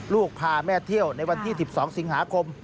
ลูกพาแม่เที่ยวในวันที่๑๒สิงหาคม